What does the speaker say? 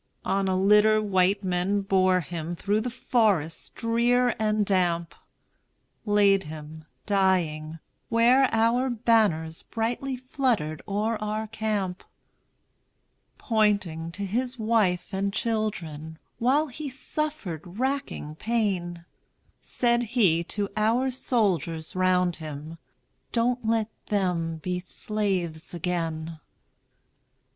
On a litter white men bore him Through the forest drear and damp, Laid him, dying, where our banners Brightly fluttered o'er our camp. Pointing to his wife and children, While he suffered racking pain, Said he to our soldiers round him, "Don't let them be slaves again!"